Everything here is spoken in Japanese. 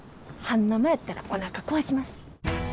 半生やったらおなか壊します。